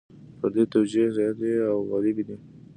فردي توجیې زیاتې او غالبې دي.